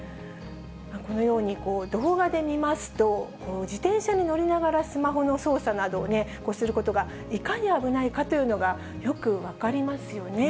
このように動画で見ますと、自転車に乗りながらスマホの操作などをすることが、いかに危ないかということがよく分かりますよね。